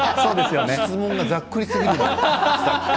質問がざっくりすぎるのよ。